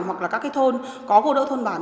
hoặc là các cái thôn có cô đỡ thôn bản